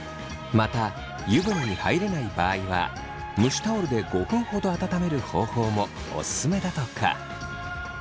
また湯船に入れない場合は蒸しタオルで５分ほど温める方法もおすすめだとか。